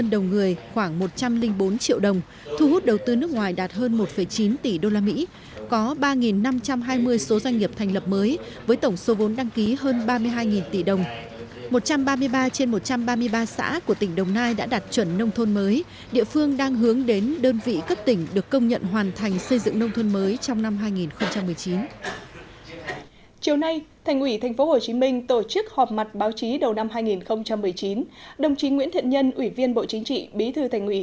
nguyễn thiện nhân ủy viên bộ chính trị bí thư thành nguyễn chủ trì buổi gặp mặt